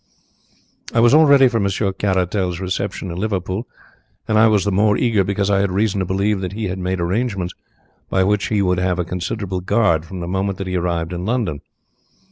"I was all ready for Monsieur Caratal's reception in Liverpool, and I was the more eager because I had reason to believe that he had made arrangements by which he would have a considerable guard from the moment that he arrived in London.